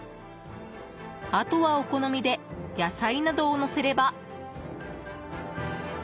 あとは、お好みで野菜などをのせれば。